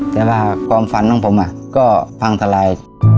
แต่ว่าความฝันของผมก็พังทลาย